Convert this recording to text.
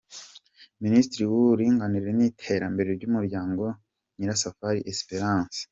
Ministiri w'uburinganire n'iterambere ry'umuryango, Nyirasafari Esperance.